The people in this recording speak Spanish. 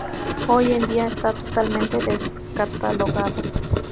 Hoy en día está totalmente descatalogado.